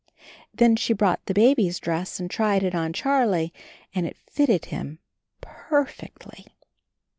Then she brought the baby's dress and tried it on Charlie, and it fitted him perfectly.